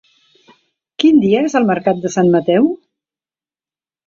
Quin dia és el mercat de Sant Mateu?